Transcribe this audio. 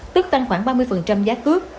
tức tăng khoảng ba mươi giá cước